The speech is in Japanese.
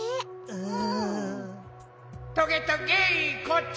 うん。